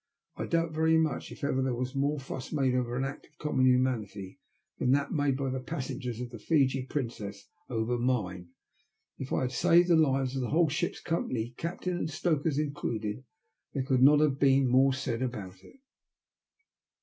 I doubt very much if ever there was more fuss made over an act of common humanity than that made by the passengers of the Fiji Princeu over mine. If I had saved the lives of the whole ship's company, captain and stokers included, there could not have been more said about it.